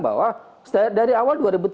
bahwa dari awal dua ribu tiga